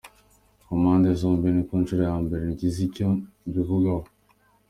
Ku mpande zombi, ni ku nshuro ya mbere ngize icyo mbivugaho.